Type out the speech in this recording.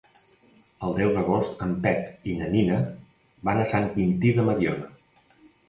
El deu d'agost en Pep i na Nina van a Sant Quintí de Mediona.